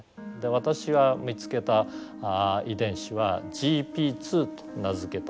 私は見つけた遺伝子はＧＰ２と名付けた遺伝子です。